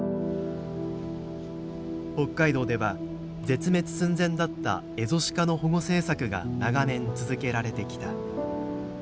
北海道では絶滅寸前だったエゾシカの保護政策が長年続けられてきた。